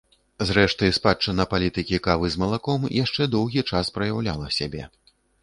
Зрэшты, спадчына палітыкі кавы з малаком яшчэ доўгі час праяўляла сябе.